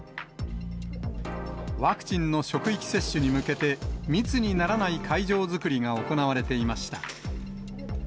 ワクチンの職域接種に向けて、密にならない会場作りが行われていました。